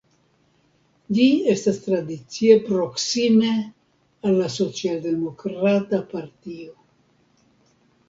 Ĝi estas tradicie proksime al la socialdemokrata partio.